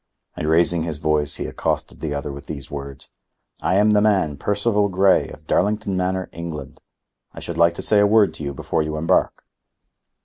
And raising his voice, he accosted the other with these words: "I am the man, Percival Grey, of Darlington Manor, England. I should like to say a word to you before you embark."